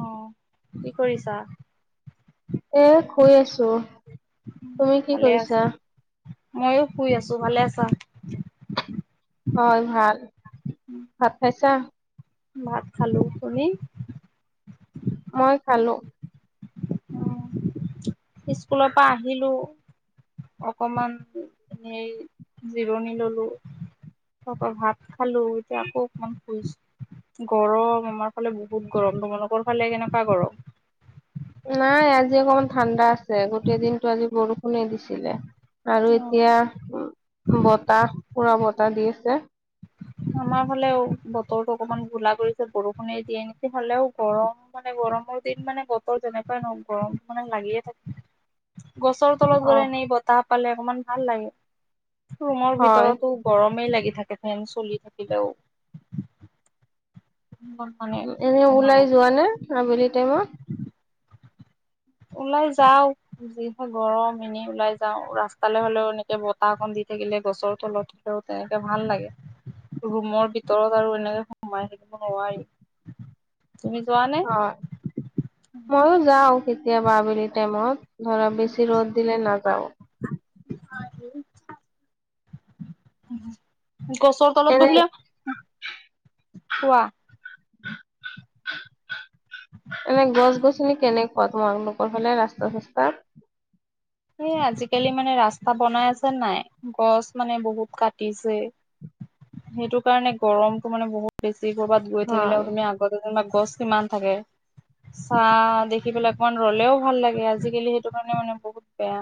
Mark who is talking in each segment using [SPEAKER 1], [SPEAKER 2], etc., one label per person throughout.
[SPEAKER 1] অ' কি কৰিছা?
[SPEAKER 2] এ শুই আছো। তুমি কি
[SPEAKER 1] ভালে আছা
[SPEAKER 2] কৰিছা?
[SPEAKER 1] ময়ো শুই আছোঁ, ভালে আছা?
[SPEAKER 2] হয় ভাল। ভাত খাইছা?
[SPEAKER 1] ভাত খালো, তুমি?
[SPEAKER 2] মই খালো।
[SPEAKER 1] অ'। স্কুলৰপা আহিলো। অকমান, এনেই জিৰণি ল'লো। তাপা ভাত খালো। এতিয়া আকৌ অকমান শুইছো, গৰম আমাৰ ফালে বহুত গৰম। তোমালোকৰ ফালে কেনেকুৱা গৰম?
[SPEAKER 2] নাই আজি অকমান ঠাণ্ডা আছে গোটেই দিনটো আজি বৰষুণে দিছিলে। আৰু
[SPEAKER 1] অ',
[SPEAKER 2] এতিয়া? বতাহ পুৰা বতাহ দি আছে।
[SPEAKER 1] আমাৰ ফালেও বতৰটো অকমান গোলা কৰিছে, বৰষুণে দিয়ে নেকি! হ'লেও গৰম মানে গৰমৰ দিন মানে বতৰ যেনেকুৱাই নহক গৰম মানে লাগিয়ে থাকে। গছৰ তলত
[SPEAKER 2] অ'
[SPEAKER 1] গ'লে ন বতাহ পালে অকমান ভাল লাগে। ৰুমৰ
[SPEAKER 2] হয়।
[SPEAKER 1] ভিতৰতো গৰমেই লাগে। থাকে ফন চলি থাকিলেও ইমান মানে
[SPEAKER 2] এনে
[SPEAKER 1] ভাল
[SPEAKER 2] ওলাই
[SPEAKER 1] নালাগে
[SPEAKER 2] যোৱা নে আবেলি টাইমত।
[SPEAKER 1] ওলাই যাওঁ। যিহে গৰম এনেই ওলাই যাওঁ ৰাস্তালৈ হলেও এনেকে বতাহ অকণ দি থাকিলে গছৰ তলত হলেও তেনেকে ভাল লাগে ।ৰুমৰ ভিতৰত আৰু এনেকে সোমাই থাকিব নোৱাৰি। তুমি যোৱা নে
[SPEAKER 2] ইহ মইও যাওঁ কেতিয়াবা আবেলি। টাইমত। ধৰা বেছি ৰ'দ দিল নাযাওঁ।
[SPEAKER 1] উম। গছৰ তলত
[SPEAKER 2] এনে
[SPEAKER 1] বহিলে কোৱা
[SPEAKER 2] এনেই গছ গছনি কেনেকোৱা ধনৰনৰ সেইফালে ৰাস্তা চস্তাত?
[SPEAKER 1] এ আজিকালি মানে ৰাস্তা বনাই আছে নাই, গছ মানে বহুত কাটিছে সেইটো কাৰণে গৰমতো মানে বহুত বেছি। যে কৰবাত গৈ থাকিলেও
[SPEAKER 2] হয়
[SPEAKER 1] তুমি আগতে তোমাৰ গছ সিমান থাকে চাহ দেখি পেলাই অকমান ৰলেও ভাল লাগে, আজিকালি সেইটো কাৰণে মানে বহু বেয়া।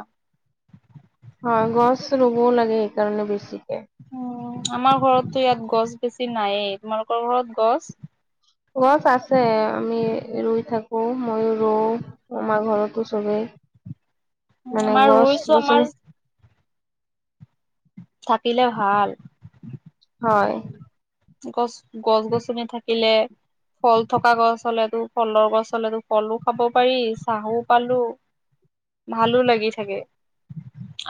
[SPEAKER 2] হয় গছ ৰুবও লাগে সেইকাৰণে বেছিকে।
[SPEAKER 1] উম আমাৰ ঘৰতো ইয়াত গছ বেছি নাইেই তোমালোকৰ ঘৰত গছ?
[SPEAKER 2] গছ আছে আমি ৰুই থাকো মইও ৰৌও আমাৰ ঘৰতো চবেই। মানে
[SPEAKER 1] আমাৰ
[SPEAKER 2] গছ
[SPEAKER 1] ৰৈছোঁ
[SPEAKER 2] গছনি
[SPEAKER 1] আমাৰ থাকিলে ভাল।
[SPEAKER 2] হয়।
[SPEAKER 1] গছ গছ গছনি থাকিলে ফল থকা গছ হলেতো ফলৰ গছ হলেতো ফলো খাব পাৰি চাহো পালো ভালো লাগি থাকে।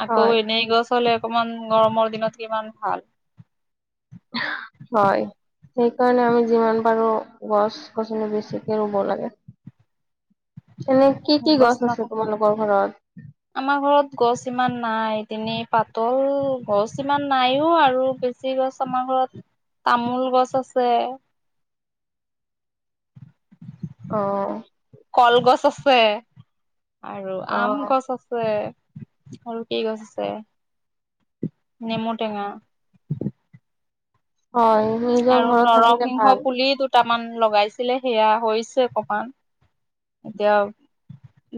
[SPEAKER 1] আকৌ
[SPEAKER 2] হয়
[SPEAKER 1] এনেই গছ আচলে অকমান গৰমৰ দিনত কিমান ভাল।
[SPEAKER 2] হয়, সেইকাৰণে আমি যিমান পাৰো গছ গছনি বেছিকে ৰুব লাগে। এনে কি কি গছ আছে তোমালোকৰ ঘৰত?
[SPEAKER 1] এনেই পাতল গছ ইমান নাইও আৰু বেছি গছ আমাৰ ঘৰত তামোল গছ আছে।
[SPEAKER 2] অঁহ।
[SPEAKER 1] কলগছ আছে, আৰু
[SPEAKER 2] অ
[SPEAKER 1] আম গছ আছে, আৰু কি গছ আছে নেমু টেঙা,
[SPEAKER 2] হয় নিজৰ
[SPEAKER 1] আৰু
[SPEAKER 2] ঘৰত থাকিলে
[SPEAKER 1] নৰসিংহ
[SPEAKER 2] ভাল।
[SPEAKER 1] পুলি দুটামান লগাইছিলে সেয়া হৈছে অকমান। এতিয়া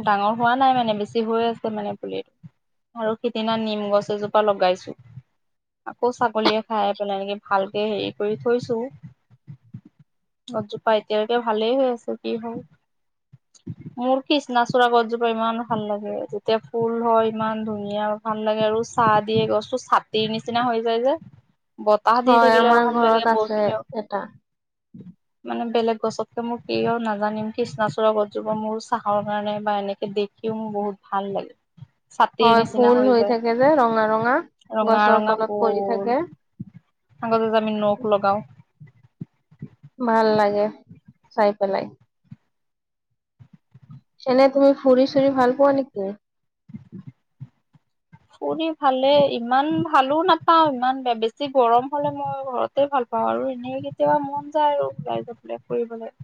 [SPEAKER 1] ডাঙৰ হোৱা নাই মানে বেছি হৈ আছে মানে পুলিটো আৰু সিদিনা নিম গছ এজোপা লগাইছো ।আকৌ ছাগলীয়ে খাই পেলাই এনেকে ভালকে হেৰি কৰি থৈছো গজোপা এতিয়ালৈকে ভালেই হৈ আছো কি হয়। মোৰ কিচনাচোড়া গছজোপা ইমান ভাল লাগে যেতিয়া ফুল হয় ইমান ধুনীয়া ভাল লাগে আৰু চাহ দিয়ে গছো ছাতি নি নিচিনা হৈ যায় যে। বতাহ দি
[SPEAKER 2] হয়
[SPEAKER 1] থাকিলেও
[SPEAKER 2] আমাৰ
[SPEAKER 1] ভাল লাগে
[SPEAKER 2] ঘৰত আছে
[SPEAKER 1] বহিলেও
[SPEAKER 2] এটা
[SPEAKER 1] মানে বেলেগ গছতকে মই কি আৰু নাজানিম কিষ্ ওচ গছজোপা মোৰ চাহৰ কাৰণে বা এনেকে দেখিও মোৰ বহুত ভাল লাগে। ছাতিৰ
[SPEAKER 2] হয়
[SPEAKER 1] নিচিনা
[SPEAKER 2] ফুল হৈ
[SPEAKER 1] যায়
[SPEAKER 2] থাকে যে ৰঙা-ৰঙা
[SPEAKER 1] ৰঙা
[SPEAKER 2] গছৰ
[SPEAKER 1] ৰঙা
[SPEAKER 2] তলত পৰি
[SPEAKER 1] ফুল
[SPEAKER 2] থাকে।
[SPEAKER 1] [unintelligible] আমি নখ লগাও।
[SPEAKER 2] ভাল লাগে চাই পেলাই। এনেই তুমি ফুৰি-চুৰি ভাল পোৱা নেকি?
[SPEAKER 1] ফুৰি ভালে ইমান ভালো নাপাওঁ ইমান বেছি গৰম হলে মই ঘৰতে ভাল পাওঁ আৰু এনেই কেতিয়াবা মন যায় আৰু ওলাই যাবলে ফুৰিবলৈ।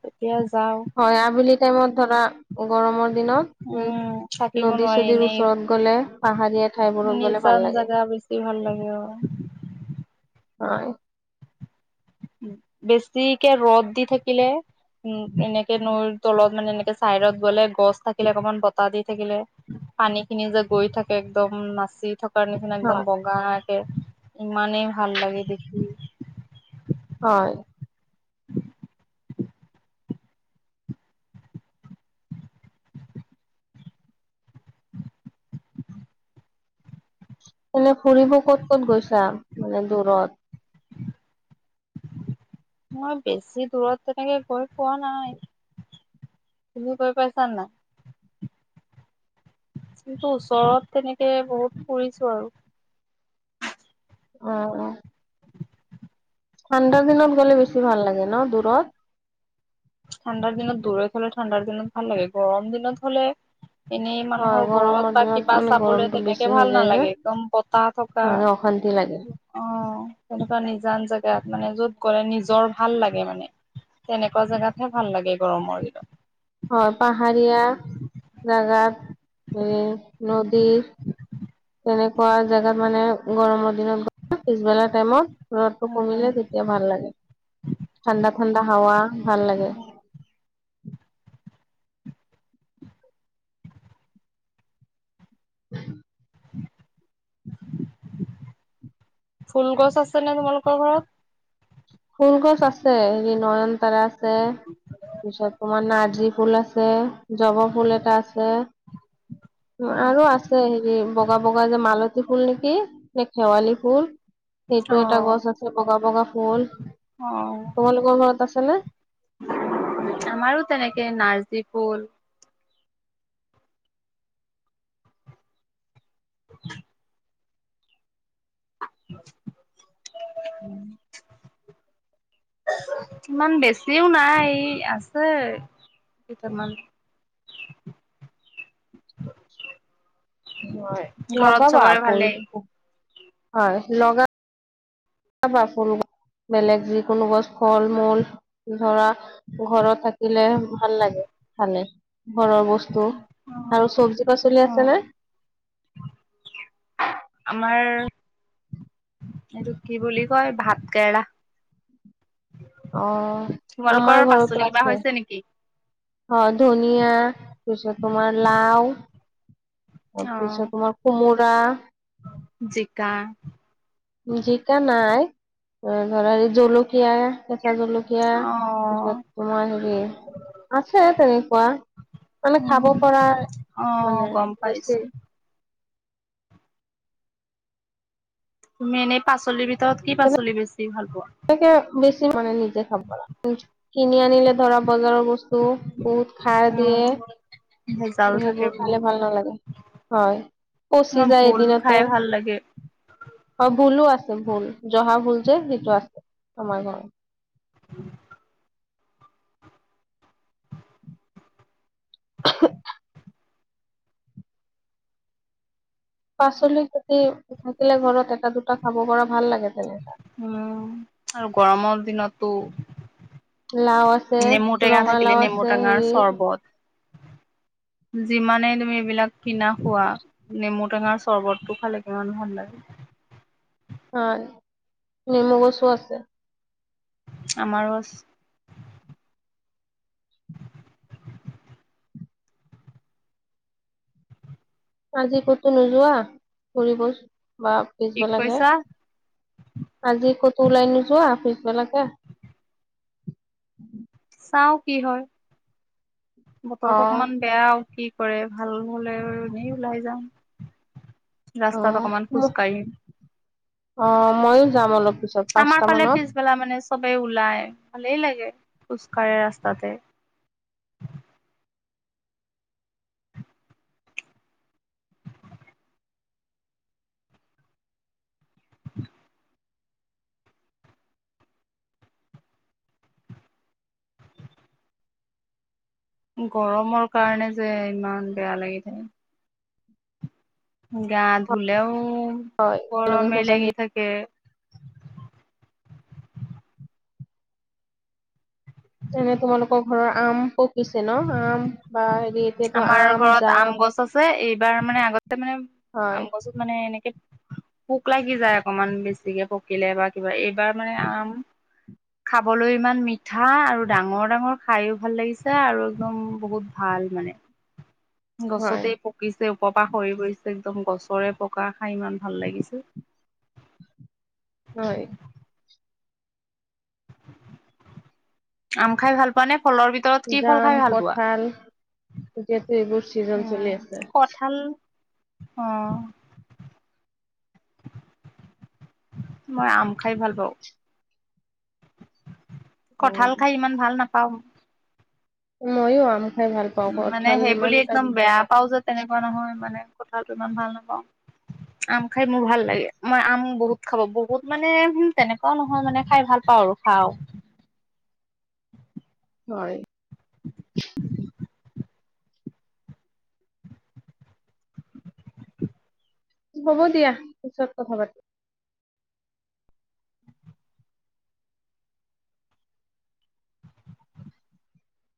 [SPEAKER 1] তেতিয়া যাওঁ
[SPEAKER 2] হয় আব তেওঁ ম ধৰা গৰমৰ দিনত, উম।
[SPEAKER 1] থাকিব নোৱাৰি
[SPEAKER 2] নদী-চদীৰ
[SPEAKER 1] এনেই
[SPEAKER 2] ওচৰত গলে পাহাৰীয়া ঠাইবোৰত গলে
[SPEAKER 1] নিজান
[SPEAKER 2] ভাল লাগে।
[SPEAKER 1] জাগা বেছি ভাল লাগে আৰু।
[SPEAKER 2] হয়।
[SPEAKER 1] বেছিকে ৰ'দ দি থাকিলে। উম এনেকে নৈ তলত মানে এনেকে চাইত গ'লে। গছ থাকিলে অকণমান বতাহ দি থাকিলে পানী খিনি যে গৈ থাকে একদম নাচি থ কাৰ নিচিনা একদম
[SPEAKER 2] হয়
[SPEAKER 1] বগা ইমানেই ভাল লাগে দেখি
[SPEAKER 2] হয়
[SPEAKER 1] [unintelligible]
[SPEAKER 2] এনে ফুৰিব ক'ত-ক'ত গৈছা, মানে দূৰত?
[SPEAKER 1] মই বেছি দূৰত তেনেকে গৈ পোৱা নাই, তুমি গৈ পাইছান নাই? কিন্তু ওচৰত তেনেকে বহুত ফুৰিছো আৰু।
[SPEAKER 2] অহ-অহ। ঠাণ্ডাৰ দিনত গ'লে বেছি ভাল লাগে ন, দূৰত?
[SPEAKER 1] ঠাণ্ডাৰ দিনত দূৰ থলে ঠাণ্ডাৰ দিনত ভাল লাগে গৰম দিনত হলে। এনেই
[SPEAKER 2] হয়
[SPEAKER 1] মানুহৰ
[SPEAKER 2] গৰমৰ
[SPEAKER 1] ঘৰত বা
[SPEAKER 2] দিনত
[SPEAKER 1] কিবা
[SPEAKER 2] মানে
[SPEAKER 1] চাবলে
[SPEAKER 2] গৰমটো বেছি
[SPEAKER 1] তেনেকে
[SPEAKER 2] হৈ
[SPEAKER 1] ভাল
[SPEAKER 2] যায় যে
[SPEAKER 1] নালাগে একদম বতাহ থকা
[SPEAKER 2] মানে অশান্তি লাগে
[SPEAKER 1] অহ। তেনেকুৱা নিজান জেগাত, মানে, যত গ'লে নিজৰ ভাল লাগে মানে, তেনেকুৱা জেগাত বৰ ভাল লাগে গৰমৰ দিনত।
[SPEAKER 2] হয়, পাহাৰীয়া জেগাত, নদী তেনেকুৱা জেগাত মানে, গৰমৰ দিনত পিছবেলা টাইমত ৰদটো কমিলে তেতিয়া ভাল লাগে । ঠাণ্ডা-ঠাণ্ডা হাৱা ভাল লাগে। উ [unintelligible]
[SPEAKER 1] ফুল গছ আছে নে, তোমালোকৰ ঘৰত?
[SPEAKER 2] ফুল গছ আছে ।হেৰি, নয়নতাৰা আছে, তাৰপিছত তোমাৰ নাৰ্জী ফুল আছে। জবা ফুল এটা আছে। উ [unintelligible] আৰু আছে, হেৰি, বগা-বগা যে মালত ফুল নেকি, নে শেৱালি ফুল। সেইটো
[SPEAKER 1] অ
[SPEAKER 2] এটা গছ আছে, বগা-বগা ফুল।
[SPEAKER 1] অ
[SPEAKER 2] তোমালোকৰ ঘৰত আছে নে?
[SPEAKER 1] আমাৰো তেনেকে নাৰ্জী ফুল [inaudible] [unintelligible] ইমান বেছিও নাই, আছে। কেইটামান।
[SPEAKER 2] হয়,
[SPEAKER 1] ঘৰত
[SPEAKER 2] লগাবা
[SPEAKER 1] চবৰে
[SPEAKER 2] আকৌ ফুল।
[SPEAKER 1] ভালেই
[SPEAKER 2] হয়, লগা বা ফুল গছ। বেলেগ যিকোনো গছ ফল-মূল ধৰা ঘৰত থাকিলে ভাল লাগে, খালে। ঘৰৰ বস্তু
[SPEAKER 1] অ
[SPEAKER 2] আৰু চব্জি কাচলি আছে নে?
[SPEAKER 1] আমাৰ এইটো কি বুলি কয়, ভাত কেৰেলা
[SPEAKER 2] অ,
[SPEAKER 1] তোমালোকৰ
[SPEAKER 2] আমাৰ
[SPEAKER 1] পাচলি
[SPEAKER 2] ঘৰতো
[SPEAKER 1] কিবা
[SPEAKER 2] আছে।
[SPEAKER 1] হৈছে নেকি
[SPEAKER 2] হয়, ধুন ধনীয়া, পিছত তোমাৰ লাও
[SPEAKER 1] অ',
[SPEAKER 2] তাৰপিছত তোমাৰ কোমোৰা। া [unintelligible]
[SPEAKER 1] জিকা,
[SPEAKER 2] জিকা নাই, ধৰা জলকীয়া। কেঁচা জলকীয়া। পিছত
[SPEAKER 1] অ',
[SPEAKER 2] তোমাৰ হেৰি আছে, তেনেকুৱা মানে খাব
[SPEAKER 1] উম,
[SPEAKER 2] পৰা
[SPEAKER 1] অ',
[SPEAKER 2] মানে
[SPEAKER 1] গম পাইছো।
[SPEAKER 2] হৈছে।
[SPEAKER 1] তুমি এনেই পাচলি ভিত ত কি পাচলি বেছি ভাল পোৱা?
[SPEAKER 2] তাকে মানে বেছি [unintelligible] দেখাম কৰা শুো [unintelligible] কিনি আনিলে ধৰা বজাৰৰ বস্তু। বহুত খাৰ
[SPEAKER 1] উম,
[SPEAKER 2] দিয়ে,
[SPEAKER 1] ভেজাল থাকে
[SPEAKER 2] সেইবোৰ খালে
[SPEAKER 1] বহুত,
[SPEAKER 2] ভাল নালাগে। হয় পচি
[SPEAKER 1] মই
[SPEAKER 2] যায়
[SPEAKER 1] ভোল
[SPEAKER 2] এদিনতে।
[SPEAKER 1] খাই ভাল লাগে।
[SPEAKER 2] হয় ভুলো আছে ভুল জহা ভুল যে সেইটো আছে, আমাৰ ঘৰত।
[SPEAKER 1] [unintelligible]
[SPEAKER 2] উহ। পাচলি গুটি থাকিলে ঘৰতে এটা-দুটা খাব পৰা, ভাল লাগে তেনেকা।
[SPEAKER 1] ত'।
[SPEAKER 2] লাও আছে, ৰঙালাও আছে হেৰি।
[SPEAKER 1] যিমানেই তুমি এইবিলাক কিনা খোৱা, নেমু টেঙাৰ চৰবতটো খালে কিমান ভাল লাগে!
[SPEAKER 2] হয়, নেমু গছো আছে।
[SPEAKER 1] আমাৰো আছে।
[SPEAKER 2] আজি ক'তো নোযোৱা, ফুৰিব? বা
[SPEAKER 1] কি
[SPEAKER 2] পিছবেলাকে,
[SPEAKER 1] কৈছা?
[SPEAKER 2] আজি ক'ত। ওলাই নোযোৱা পিছবেলাকে? [inaudible]
[SPEAKER 1] চাওঁ কি হয়? বতৰটো
[SPEAKER 2] অ
[SPEAKER 1] অকমান বেয়া আৰু কি কৰে ভাল হ'লে, আৰু এনেই ওলাই যাম।
[SPEAKER 2] অ
[SPEAKER 1] ৰাস্তাত অকমান
[SPEAKER 2] মোক
[SPEAKER 1] খোজকাঢ়িম,
[SPEAKER 2] অ মইয়ো যাম অলপ পিছত
[SPEAKER 1] আমাৰ
[SPEAKER 2] পাঁচটা
[SPEAKER 1] ফালে
[SPEAKER 2] মানত
[SPEAKER 1] পিছবেলা মানে চবেই ওলায়। ভালেই লাগে, খোজকাঢ়ে ৰাস্তাতে। গৰমৰ কাৰণে যে ইমান বেয়া লাগি থাকে। গা ধুলেও,
[SPEAKER 2] হয় একেলগে
[SPEAKER 1] গৰমে
[SPEAKER 2] খোজকাঢ়ি
[SPEAKER 1] লাগি থাকে।
[SPEAKER 2] যেনে তোমালোকৰ ঘৰৰ আম পকিছে ন? আম। বা হেৰি এতিয়াতো
[SPEAKER 1] আমাৰ
[SPEAKER 2] আম
[SPEAKER 1] ঘৰত
[SPEAKER 2] জাম
[SPEAKER 1] আম গছ আছে, এই। এইবাৰ মানে আগত। তাৰ মানে,
[SPEAKER 2] হয়
[SPEAKER 1] আম গছত মানে এনেকে। পোক লাগি যায় অকমান বেছিকে পকিলে, বা কিবা এই। বাৰ মানে আম। খাবলৈ ইমান মিঠা আৰু ডাঙৰ-ডাঙৰ খায়ো ভাল লাগিছে, আৰু একদম বহুত ভাল মানে।
[SPEAKER 2] হয়
[SPEAKER 1] গছতেই পকিছে। ওপৰপা সৰি পৰিছে একদম, গছৰে পকা খাই ইমান ভাল লাগিছে।
[SPEAKER 2] হয়।
[SPEAKER 1] আম খাই ভাল পোৱানে?
[SPEAKER 2] জাম, কঁঠাল এতিয়াতো এইবোৰ চিজন
[SPEAKER 1] উম,
[SPEAKER 2] চলি আছে।
[SPEAKER 1] কঠাল। অ', মই আম খাই ভাল পাওঁ।
[SPEAKER 2] অ
[SPEAKER 1] কঁঠাল খাই ইমান ভাল নাপায়। পাম।
[SPEAKER 2] ময়ো আম খাই ভাল পাওঁ
[SPEAKER 1] মানে
[SPEAKER 2] কঠাল ইমান
[SPEAKER 1] সেইবুলি
[SPEAKER 2] এটা
[SPEAKER 1] একদম বেয়া পাওঁ যে, তেনেকে কুৱা নহয় মানে, কঁঠালটো ইমান ভাল নাপাওঁ। আম খাই মোৰ ভাল লাগে। মই আম বহুত খাব, বহুত মানে তেনেকুৱাও নহয় মানে। খাই ভাল পাওঁ আৰু খাওঁ।
[SPEAKER 2] হয়
[SPEAKER 1] [inaudible]
[SPEAKER 2] হ'ব দিয়া পিছত কথা পাতিম